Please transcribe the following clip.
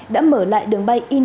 đã mở lại đường bay incheon đà nẵng